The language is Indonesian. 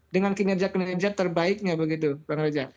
dengan kinerja kinerja terbaiknya begitu pak ngoja